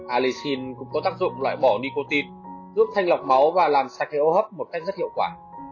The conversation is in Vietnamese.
alisin cũng có tác dụng loại bỏ nicotine giúp thanh lọc máu và làm sạch hệ ô hấp một cách rất hiệu quả